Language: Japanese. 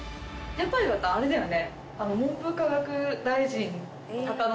やっぱりまたあれだよね？